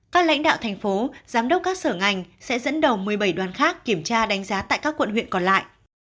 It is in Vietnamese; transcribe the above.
các lãnh đạo thành phố giám đốc các sở ngành sẽ dẫn đầu một mươi bảy đoàn khác kiểm tra đánh giá tại các quận huyện còn lại